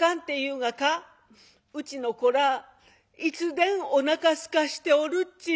うちの子らいつでんおなかすかしておるっちゅう」。